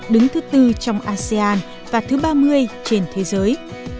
đứng thứ tư trong asean và thứ ba mươi trên thế giới